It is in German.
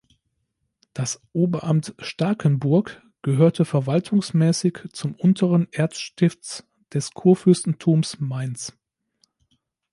Das „Oberamt Starkenburg“ gehörte verwaltungsmäßig zum „Unteren Erzstifts“ des Kurfürstentums Mainz.